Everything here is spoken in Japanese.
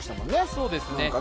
そうですね